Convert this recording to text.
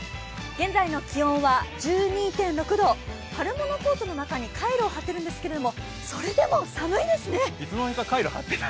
現在の気温は１２．６度、春物コートの中にかいろを貼っているんですけどそれでも寒いですね。